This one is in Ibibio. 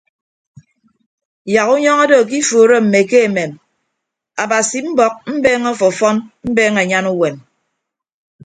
Yak unyọñọ odo ke ifuuro mme ke emem abasi mbọk mbeeñe ọfọfọn mbeeñe anyan uwem.